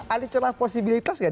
ada celah posibilitas gak